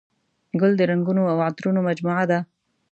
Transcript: ګل د رنګونو او عطرونو مجموعه ده.